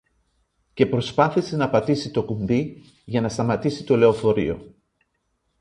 και προσπάθησε να πατήσει το κουμπί για να σταματήσει το λεωφορείο